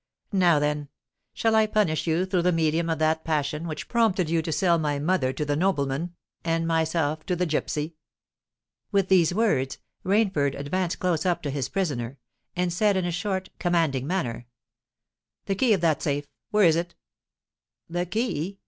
Now, then, shall I punish you through the medium of that passion which prompted you to sell my mother to the nobleman, and myself to the gipsy!" With these words Rainford advanced close up to his prisoner, and said in a short, commanding manner, "The key of that safe—where is it?" "The key?"